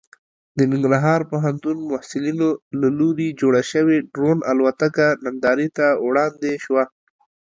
د ننګرهار پوهنتون محصلینو له لوري جوړه شوې ډرون الوتکه نندارې ته وړاندې شوه.